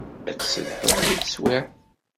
Ad tt-sselḥuɣ deg teswiɛt.